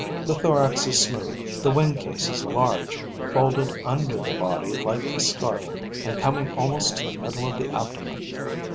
The thorax is smooth, the wing cases large, folded under the body like a scarf and coming almost to the middle of the abdomen.